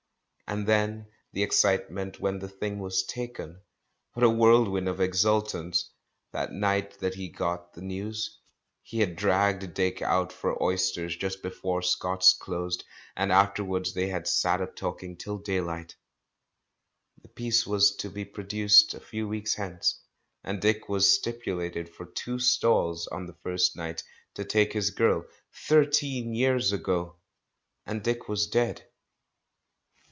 And then the excite ment when the thing was taken — what a whirl wind of exultance! That night that he got the news. He had dragged Dick out for oysters just before Scott's closed, and afterwards they had sat up talking till daylight. The piece was to be produced a few weeks hence, and Dick had stip ulated for tico stalls on the first night, to take his girl. ... Thirteen years ago! And Dick was dead.